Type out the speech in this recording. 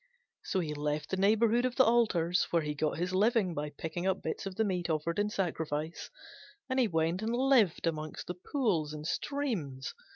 So he left the neighbourhood of the altars, where he got his living by picking up bits of the meat offered in sacrifice, and went and lived among the pools and streams.